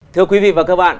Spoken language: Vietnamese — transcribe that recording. thưa quý vị và các bạn